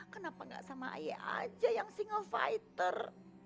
kenapa gak sama ayah aja yang single fighter